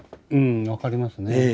うん分かりますね。